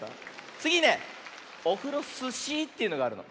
つぎね「オフロスシー」というのがあるの。